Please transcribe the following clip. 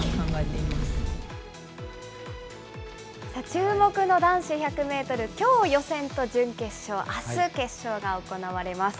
注目の男子１００メートル、きょう予選と準決勝、あす決勝が行われます。